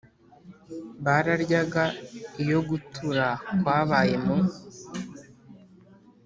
Bararyaga iyo gutura kwabaye mu